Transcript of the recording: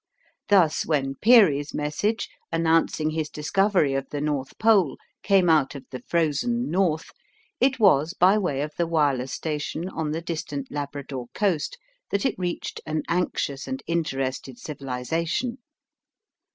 Thus when Peary's message announcing his discovery of the North Pole came out of the Frozen North, it was by way of the wireless station on the distant Labrador coast that it reached an anxious and interested civilization.